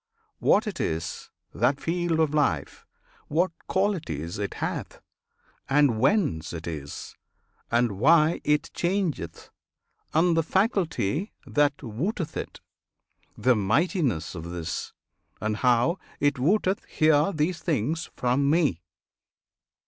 [FN#27] What it is, that "field" of life, What qualities it hath, and whence it is, And why it changeth, and the faculty That wotteth it, the mightiness of this, And how it wotteth hear these things from Me!